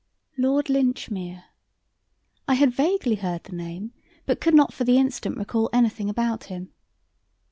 Lord Linchmere! I had vaguely heard the name, but could not for the instant recall anything about him.